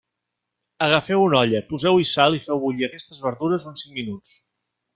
Agafeu una olla, poseu-hi sal i feu bullir aquestes verdures uns cinc minuts.